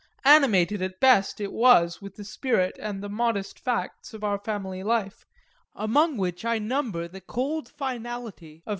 Animated at best it was with the spirit and the modest facts of our family life, among which I number the cold finality of M.